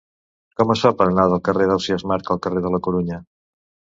Com es fa per anar del carrer d'Ausiàs Marc al carrer de la Corunya?